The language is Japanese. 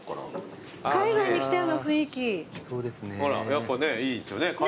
やっぱねいいですよね海外来た。